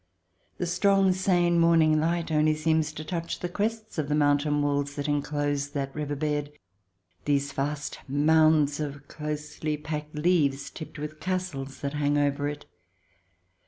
The strong, sane, morning light only seems to touch the crests of the mountain walls that enclose that river bed, these vast mounds of closely packed leaves, tipped with castles, that hang over it.